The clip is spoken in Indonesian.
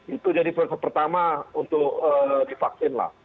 itu jadi fase pertama untuk divaksin lah